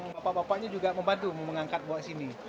bapak bapaknya juga membantu mengangkat buat sini